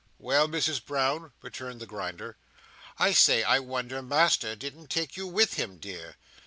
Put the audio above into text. "Well, Misses Brown," returned the Grinder. "I say I wonder Master didn't take you with him, dear."